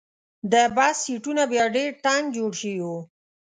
د بس سیټونه بیا ډېر تنګ جوړ شوي وو.